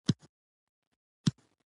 فرهنګ د ماشومانو د روزني اساس جوړوي.